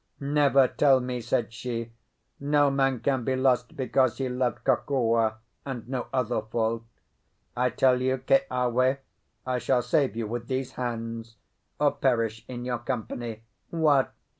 "Never tell me," said she; "no man can be lost because he loved Kokua, and no other fault. I tell you, Keawe, I shall save you with these hands, or perish in your company. What!